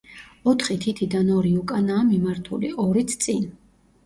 ოთხი თითიდან ორი უკანაა მიმართული, ორიც წინ.